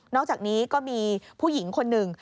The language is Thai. อกจากนี้ก็มีผู้หญิงคนหนึ่ง